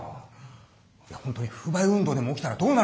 本当に不買運動でも起きたらどうなると思ってんの。